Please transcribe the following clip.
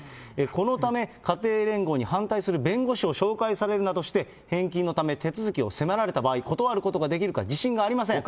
このため家庭連合に反対する弁護士を紹介されるなどして、返金のため手続きを迫られた場合、断ることができるか自信がありません。